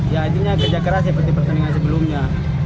ya izinnya kerja keras seperti pertandingan sebelumnya